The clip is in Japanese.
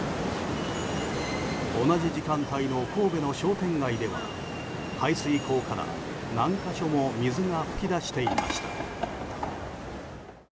同じ時間帯の神戸の商店街では排水溝から何か所も水が噴き出していました。